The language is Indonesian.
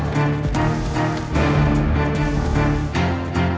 cepet kita kejar dia